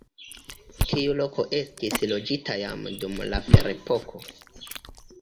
Tiu loko estis loĝita jam dum la ferepoko.